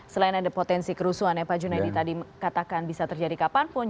selain ada potensi kerusuhan yang pak junaidi tadi katakan bisa terjadi kapanpun